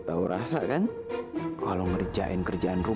kapan kelarin kerjaan